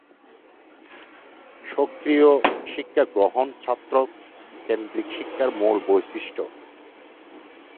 সক্রিয় শিক্ষা গ্রহণ ছাত্র-কেন্দ্রীক শিক্ষার মূল বৈশিষ্ট্য।